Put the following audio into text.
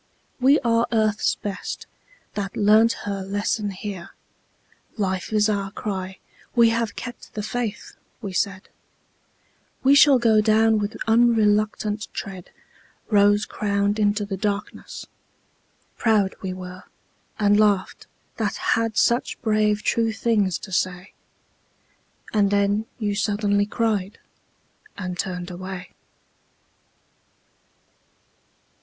"We are Earth's best, that learnt her lesson here. Life is our cry. We have kept the faith!" we said; "We shall go down with unreluctant tread Rose crowned into the darkness!" ... Proud we were, And laughed, that had such brave true things to say. And then you suddenly cried, and turned away.